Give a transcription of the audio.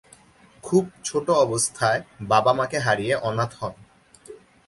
খুব ছোট অবস্থায় বাবা-মাকে হারিয়ে অনাথ হন।